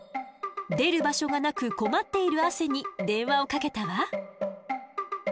出る場所がなく困っているアセに電話をかけたわ。